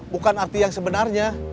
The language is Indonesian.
bukan arti yang sebenarnya